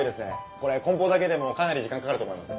これ梱包だけでもかなり時間かかると思います。